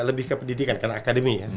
lebih ke pendidikan karena akademi ya